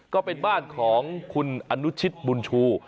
ก็เป็นบ้านของคุณอนุชิตบุญชู